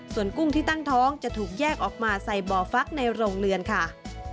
ส่วนกุ้งที่ตั้งท้องจะถูกแยกออกมาใส่บ่อฟักในโรงเรือนค่ะ